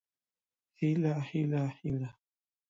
هيله هيله هيله